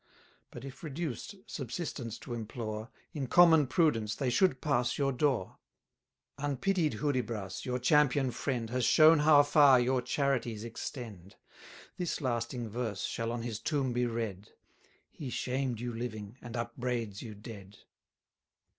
But if reduced, subsistence to implore, In common prudence they should pass your door. Unpitied Hudibras, your champion friend, Has shown how far your charities extend. This lasting verse shall on his tomb be read, "He shamed you living, and upbraids you dead."